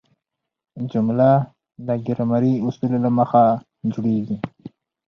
جمله د ګرامري اصولو له مخه جوړیږي.